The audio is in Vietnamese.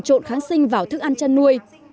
trộn kháng sinh vào thức ăn trăn nuôi